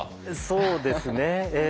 そうですねええ。